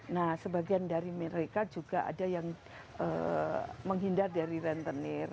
nah sebagian dari mereka juga ada yang menghindar dari rentenir